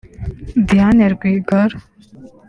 Diane Rwigara